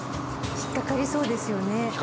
引っかかりそうですね。